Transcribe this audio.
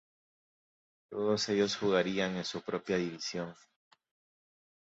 Todos ellos jugarían en su propia división.